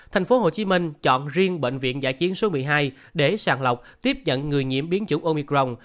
tp hcm chọn riêng bệnh viện giả chiến số một mươi hai để sàng lọc tiếp nhận người nhiễm biến chủng omicron